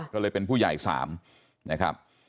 ก็เลยเป็นผู้ใหญ่๓นะครับ